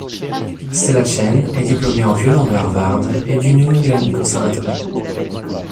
Stella Chen est diplômée en violon de Harvard et du New England Conservatory.